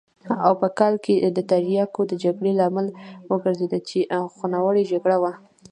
او په کال کې د تریاکو د جګړې لامل وګرځېد چې خونړۍ جګړه وه.